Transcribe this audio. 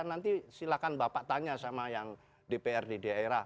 nanti silahkan bapak tanya sama yang dpr di daerah